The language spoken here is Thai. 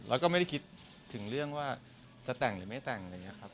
เราก็ไม่ได้คิดถึงเรื่องว่าจะแต่งหรือไม่แต่งไรเงี้ยครับ